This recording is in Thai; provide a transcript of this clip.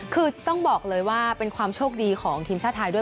คือต้องบอกเลยว่าเป็นความโชคดีของทีมชาติไทยด้วย